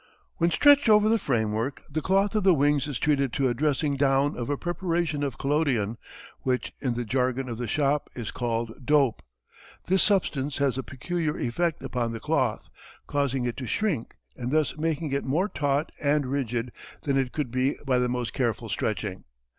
When stretched over the framework, the cloth of the wings is treated to a dressing down of a preparation of collodion, which in the jargon of the shop is called "dope." This substance has a peculiar effect upon the cloth, causing it to shrink, and thus making it more taut and rigid than it could be by the most careful stretching.